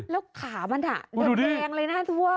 แล้วขามันค่ะโดดแรงเลยหน้าทั่ว